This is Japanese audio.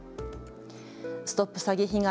ＳＴＯＰ詐欺被害！